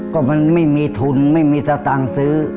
ก็มันไม่มีทุนไม่มีสตางค์ซื้อ